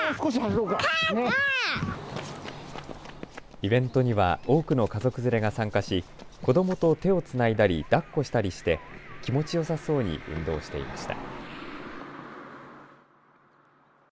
イベントには多くの家族連れが参加し子どもと手をつないだりだっこしたりして気持ちよさそうに運動していました。